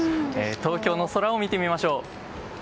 東京の空を見てみましょう。